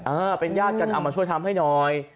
เออเป็นญาติกันเอามาช่วยทำให้หน่อย